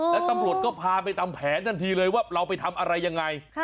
แล้วตำรวจก็พาไปทำแผนทันทีเลยว่าเราไปทำอะไรยังไง